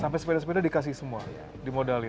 sampai sepeda sepeda dikasih semua dimodalin